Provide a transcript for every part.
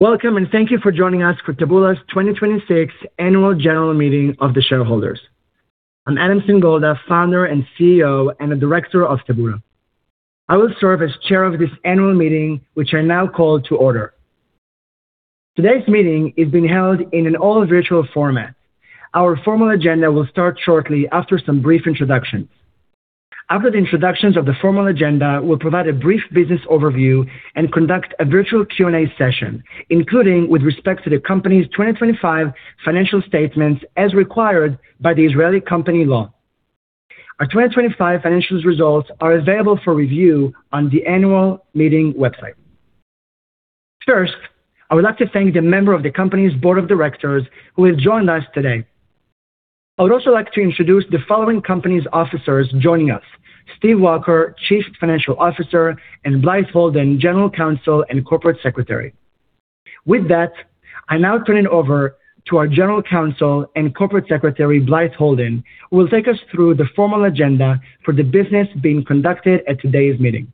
Welcome, and thank you for joining us for Taboola's 2026 Annual General Meeting of the shareholders. I'm Adam Singolda, Founder and CEO, and a director of Taboola. I will serve as chair of this annual meeting, which I now call to order. Today's meeting is being held in an all-virtual format. Our formal agenda will start shortly after some brief introductions. After the introductions of the formal agenda, we'll provide a brief business overview and conduct a virtual Q&A session, including with respect to the company's 2025 financial statements, as required by the Israeli company law. Our 2025 financials results are available for review on the annual meeting website. First, I would like to thank the members of the company's Board of Directors who have joined us today. I would also like to introduce the following company's officers joining us, Steve Walker, Chief Financial Officer, and Blythe Holden, General Counsel and Corporate Secretary. With that, I now turn it over to our General Counsel and Corporate Secretary, Blythe Holden, who will take us through the formal agenda for the business being conducted at today's meeting.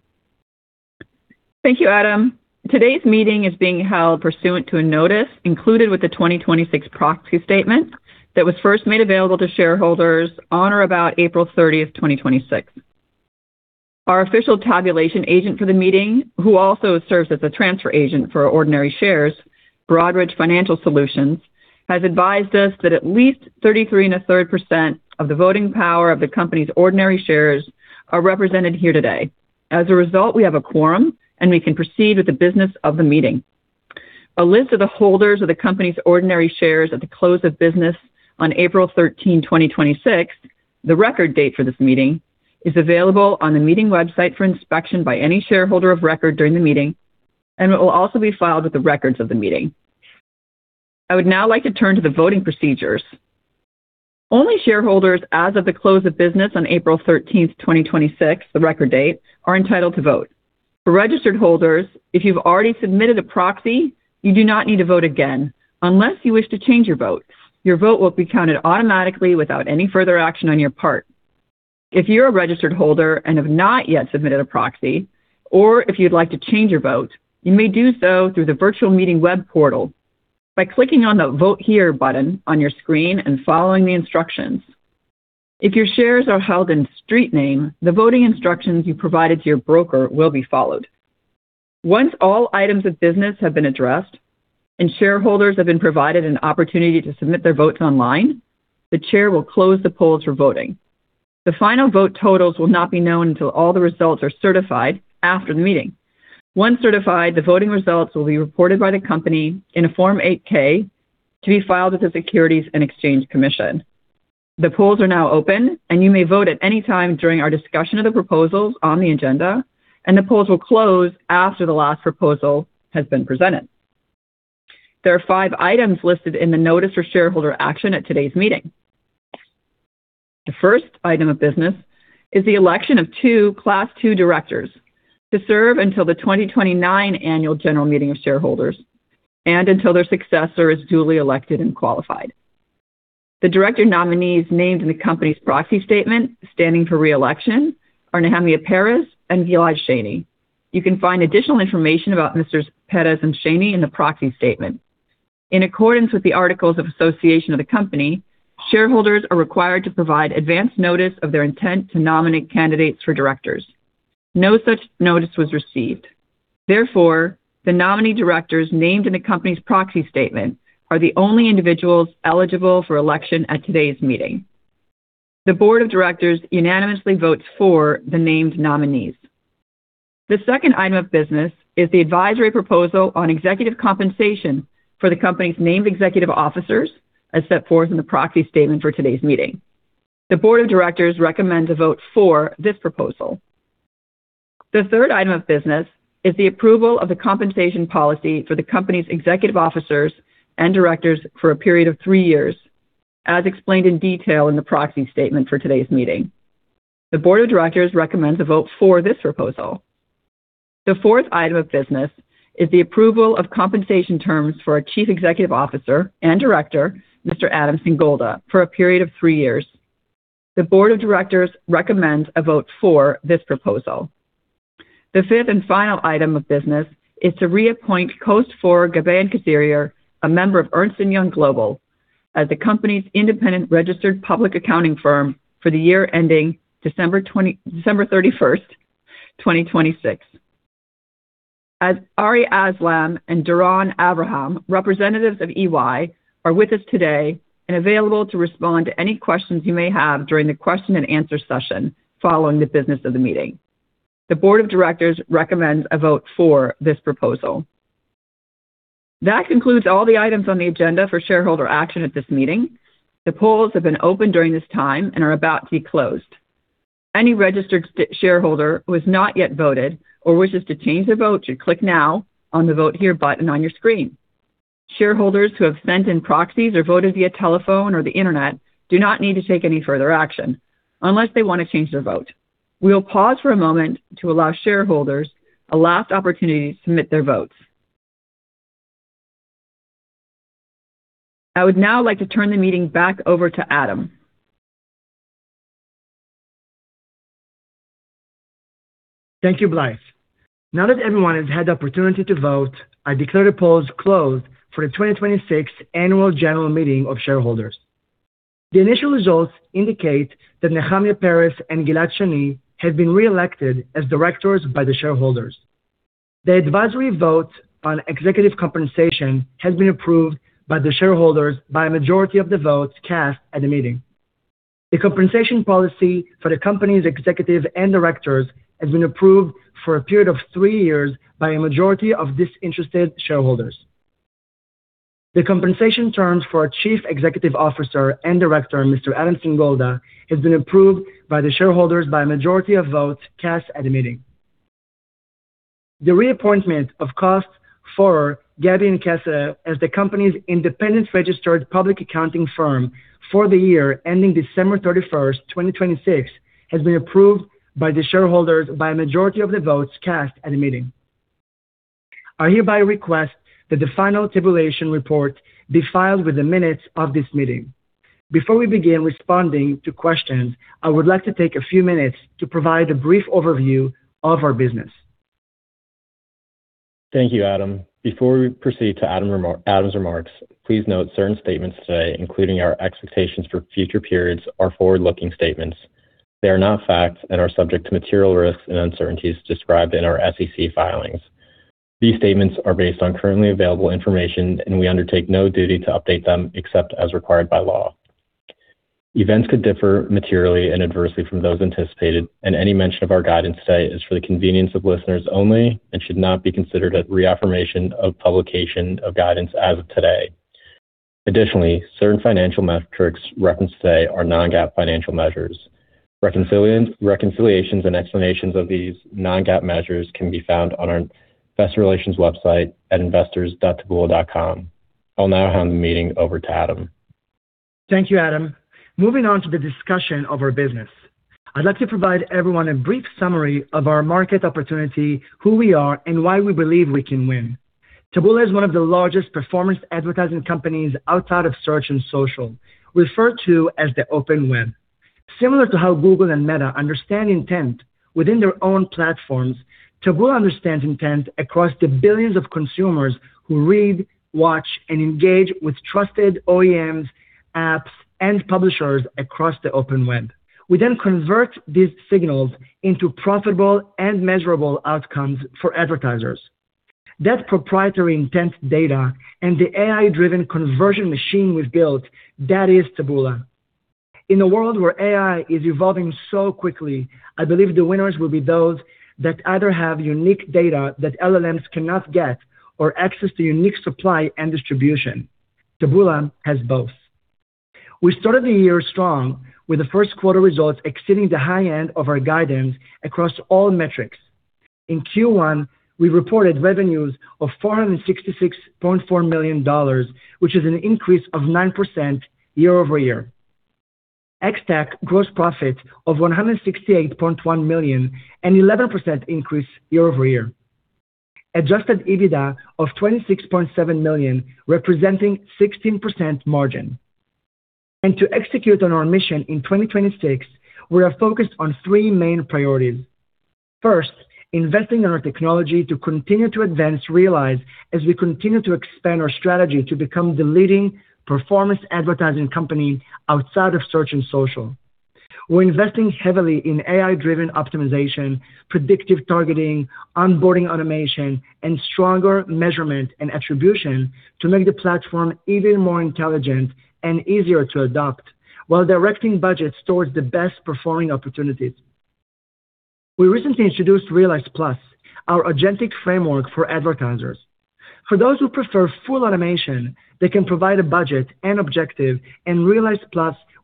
Thank you, Adam. Today's meeting is being held pursuant to a notice included with the 2026 proxy statement that was first made available to shareholders on or about April 30th, 2026. Our official tabulation agent for the meeting, who also serves as a transfer agent for our ordinary shares, Broadridge Financial Solutions, has advised us that at least 33.3% of the voting power of the company's ordinary shares are represented here today. We have a quorum, and we can proceed with the business of the meeting. A list of the holders of the company's ordinary shares at the close of business on April 13, 2026, the record date for this meeting, is available on the meeting website for inspection by any shareholder of record during the meeting, and it will also be filed with the records of the meeting. I would now like to turn to the voting procedures. Only shareholders as of the close of business on April 13th, 2026, the record date, are entitled to vote. For registered holders, if you've already submitted a proxy, you do not need to vote again unless you wish to change your vote. Your vote will be counted automatically without any further action on your part. If you're a registered holder and have not yet submitted a proxy, or if you'd like to change your vote, you may do so through the virtual meeting web portal by clicking on the Vote Here button on your screen and following the instructions. If your shares are held in street name, the voting instructions you provided to your broker will be followed. Once all items of business have been addressed and shareholders have been provided an opportunity to submit their votes online, the chair will close the polls for voting. The final vote totals will not be known until all the results are certified after the meeting. Once certified, the voting results will be reported by the company in a Form 8-K to be filed with the Securities and Exchange Commission. The polls are now open, and you may vote at any time during our discussion of the proposals on the agenda, and the polls will close after the last proposal has been presented. There are five items listed in the notice for shareholder action at today's meeting. The first item of business is the election of two Class II directors to serve until the 2029 Annual General Meeting of shareholders and until their successor is duly elected and qualified. The director nominees named in the company's proxy statement standing for re-election are Nechemia Peres and Gilad Shany. You can find additional information about Mr. Peres and Shany in the proxy statement. In accordance with the articles of association of the company, shareholders are required to provide advance notice of their intent to nominate candidates for directors. No such notice was received. Therefore, the nominee directors named in the company's proxy statement are the only individuals eligible for election at today's meeting. The Board of Directors unanimously votes for the named nominees. The second item of business is the advisory proposal on executive compensation for the company's named executive officers, as set forth in the proxy statement for today's meeting. The Board of Directors recommend to vote for this proposal. The third item of business is the approval of the compensation policy for the company's executive officers and directors for a period of three years, as explained in detail in the proxy statement for today's meeting. The Board of Directors recommends a vote for this proposal. The fourth item of business is the approval of compensation terms for our Chief Executive Officer and director, Mr. Adam Singolda, for a period of three years. The Board of Directors recommends a vote for this proposal. The fifth and final item of business is to reappoint Kost Forer Gabbay & Kasierer, a member of Ernst & Young Global, as the company's independent registered public accounting firm for the year ending December 31st, 2026. As Ari Aslan and Doron Avraham, representatives of EY, are with us today and available to respond to any questions you may have during the question and answer session following the business of the meeting. The Board of Directors recommends a vote for this proposal. That concludes all the items on the agenda for shareholder action at this meeting. The polls have been open during this time and are about to be closed. Any registered shareholder who has not yet voted or wishes to change their vote should click now on the Vote Here button on your screen. Shareholders who have sent in proxies or voted via telephone or the internet do not need to take any further action unless they want to change their vote. We will pause for a moment to allow shareholders a last opportunity to submit their votes. I would now like to turn the meeting back over to Adam. Thank you, Blythe. Now that everyone has had the opportunity to vote, I declare the polls closed for the 2026 Annual General Meeting of shareholders. The initial results indicate that Nechemia Peres and Gilad Shany have been reelected as directors by the shareholders. The advisory vote on executive compensation has been approved by the shareholders by a majority of the votes cast at the meeting. The compensation policy for the company's executives and directors has been approved for a period of three years by a majority of disinterested shareholders. The compensation terms for our Chief Executive Officer and Director, Mr. Adam Singolda, has been approved by the shareholders by a majority of votes cast at the meeting. The reappointment of Kost Forer Gabbay & Kasierer as the company's independent registered public accounting firm for the year ending December 31st, 2026, has been approved by the shareholders by a majority of the votes cast at the meeting. I hereby request that the final tabulation report be filed with the minutes of this meeting. Before we begin responding to questions, I would like to take a few minutes to provide a brief overview of our business. Thank you, Adam. Before we proceed to Adam's remarks, please note certain statements today, including our expectations for future periods, are forward-looking statements. They are not facts and are subject to material risks and uncertainties described in our SEC filings. These statements are based on currently available information. We undertake no duty to update them except as required by law. Events could differ materially and adversely from those anticipated. Any mention of our guidance today is for the convenience of listeners only and should not be considered a reaffirmation of publication of guidance as of today. Additionally, certain financial metrics referenced today are non-GAAP financial measures. Reconciliations and explanations of these non-GAAP measures can be found on our investor relations website at investors.taboola.com. I'll now hand the meeting over to Adam. Thank you, [Adam]. Moving on to the discussion of our business. I'd like to provide everyone a brief summary of our market opportunity, who we are, and why we believe we can win. Taboola is one of the largest performance advertising companies outside of search and social, referred to as the open web. Similar to how Google and Meta understand intent within their own platforms, Taboola understands intent across the billions of consumers who read, watch, and engage with trusted OEMs, apps, and publishers across the open web. We then convert these signals into profitable and measurable outcomes for advertisers. That proprietary intent data and the AI-driven conversion machine we've built, that is Taboola. In a world where AI is evolving quickly, I believe the winners will be those that either have unique data that LLMs cannot get or access to unique supply and distribution. Taboola has both. We started the year strong with the first quarter results exceeding the high end of our guidance across all metrics. In Q1, we reported revenues of $466.4 million, which is an increase of 9% year-over-year. Ex-TAC gross profit of $168.1 million, an 11% increase year-over-year. Adjusted EBITDA of $26.7 million, representing 16% margin. To execute on our mission in 2026, we are focused on three main priorities. First, investing in our technology to continue to advance Realize as we continue to expand our strategy to become the leading performance advertising company outside of search and social. We're investing heavily in AI-driven optimization, predictive targeting, onboarding automation, and stronger measurement and attribution to make the platform even more intelligent and easier to adopt, while directing budgets towards the best performing opportunities. We recently introduced Realize+, our agentic framework for advertisers. For those who prefer full automation, they can provide a budget and objective, Realize+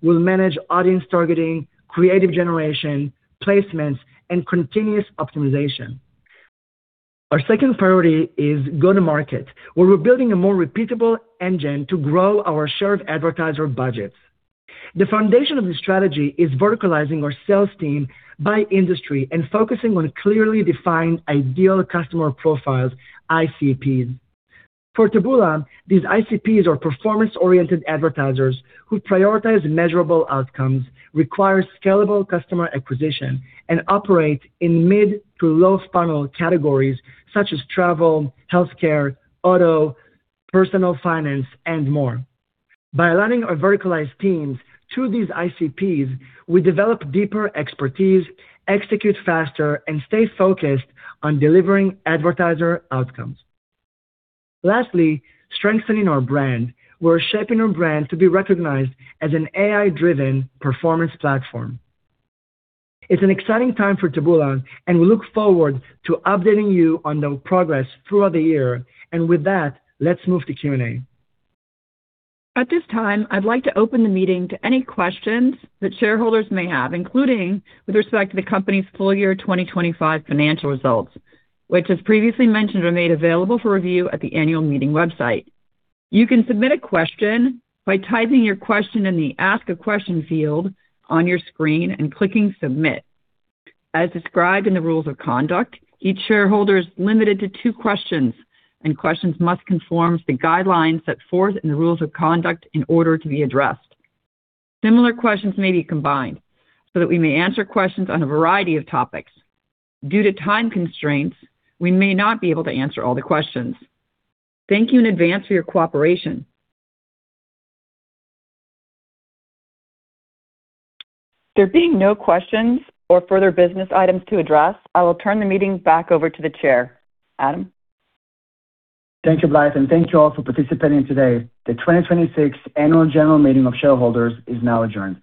will manage audience targeting, creative generation, placements, and continuous optimization. Our second priority is go to market, where we're building a more repeatable engine to grow our share of advertiser budgets. The foundation of this strategy is verticalizing our sales team by industry and focusing on clearly defined ideal customer profiles, ICPs. For Taboola, these ICPs are performance-oriented advertisers who prioritize measurable outcomes, require scalable customer acquisition, and operate in mid- to low-funnel categories such as travel, healthcare, auto, personal finance, and more. By aligning our verticalized teams to these ICPs, we develop deeper expertise, execute faster, and stay focused on delivering advertiser outcomes. Lastly, strengthening our brand. We're shaping our brand to be recognized as an AI-driven performance platform. It's an exciting time for Taboola, we look forward to updating you on the progress throughout the year. With that, let's move to Q&A. At this time, I'd like to open the meeting to any questions that shareholders may have, including with respect to the company's full year 2025 financial results, which, as previously mentioned, are made available for review at the annual meeting website. You can submit a question by typing your question in the Ask a Question field on your screen and clicking Submit. As described in the rules of conduct, each shareholder is limited to two questions, and questions must conform to the guidelines set forth in the rules of conduct in order to be addressed. Similar questions may be combined so that we may answer questions on a variety of topics. Due to time constraints, we may not be able to answer all the questions. Thank you in advance for your cooperation. There being no questions or further business items to address, I will turn the meeting back over to the chair. Adam? Thank you, Blythe, thank you all for participating today. The 2026 Annual General Meeting of Shareholders is now adjourned.